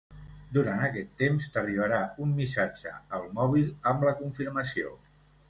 Durant aquests temps t'arribarà un missatge al mòbil amb la confirmació.